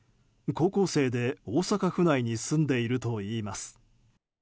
高校生で、大阪府内に住んでいるといいます。